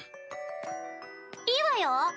いいわよ。